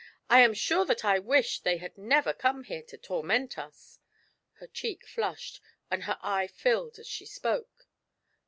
I am sure that I wish they had never come here, to toiinent us !" her cheek flushed, and her eye filled as she spoke.